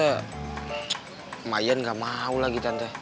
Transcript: ya udah mah iyan gak mau lagi tante